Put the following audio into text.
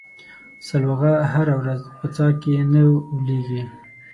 سلواغه هره ورځ په څا کې نه ولېږي.